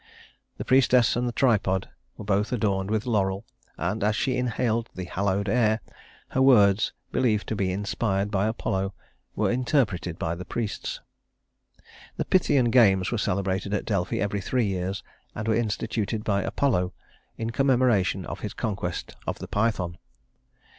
The priestess and the tripod were both adorned with laurel; and as she inhaled the hallowed air, her words believed to be inspired by Apollo were interpreted by the priests. The Pythian Games were celebrated at Delphi every three years, and were instituted by Apollo in commemoration of his conquest of the Python.